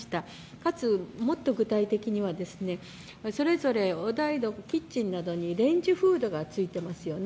かつ、もっと具体的には、それぞれキッチンなどにレンジフードがついていますよね。